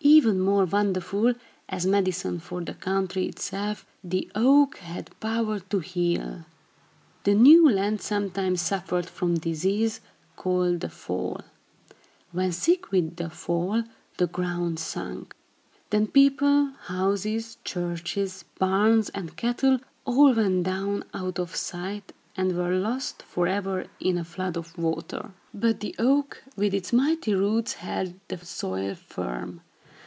Even more wonderful, as medicine for the country itself, the oak had power to heal. The new land sometimes suffered from disease called the val (or fall). When sick with the val, the ground sunk. Then people, houses, churches, barns and cattle all went down, out of sight, and were lost forever, in a flood of water. But the oak, with its mighty roots, held the soil firm.